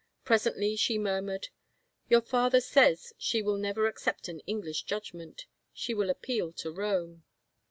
Presently she murmured, " Your father says she will never accept, an English judgment. She will appeal to Rome."